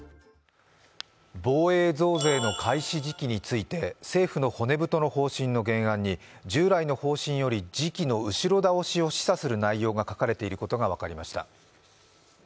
防衛費増税の開始時期について政府の骨太の方針の原案に従来の方針より時期の後ろ倒しを示唆する内容が書かれていることが分かりました。